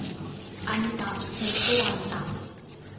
아니다 결코 아니다.